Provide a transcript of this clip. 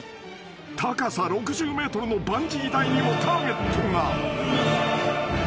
［高さ６０ｍのバンジー台にもターゲットが］